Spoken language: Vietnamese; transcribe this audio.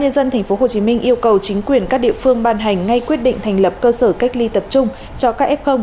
ubnd tp hcm yêu cầu chính quyền các địa phương ban hành ngay quyết định thành lập cơ sở cách ly tập trung cho các f